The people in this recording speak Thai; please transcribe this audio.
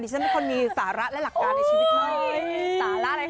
เด็กฉันไม่ค่อยมีสาระและหลักกายในชีวิต